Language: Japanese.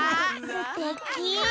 すてき！